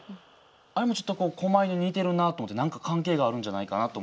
あれもちょっと狛犬に似てるなと思って何か関係があるんじゃないかなと思うんですよ。